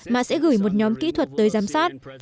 mà sẽ gửi một nhóm kỹ thuật tới giám sát